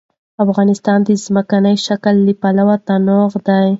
افغانستان د ځمکنی شکل له پلوه متنوع دی.